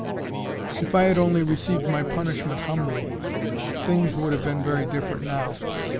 "If I had only received my punishment humbly, things would have been very different now.